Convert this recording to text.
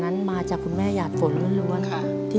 ทำงานชื่อนางหยาดฝนภูมิสุขอายุ๕๔ปี